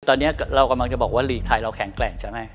ตอนนี้เรากำลังจะบอกว่าลีกไทยเราแข็งแกร่งใช่ไหม